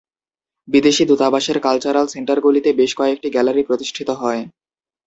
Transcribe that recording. বিদেশি দূতাবাসের কালচারাল সেন্টারগুলিতে বেশ কয়েকটি গ্যালারি প্রতিষ্ঠিত হয়।